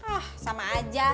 ah sama aja